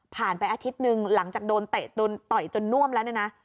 ไปอาทิตย์หนึ่งหลังจากโดนเตะโดนต่อยจนน่วมแล้วเนี่ยนะ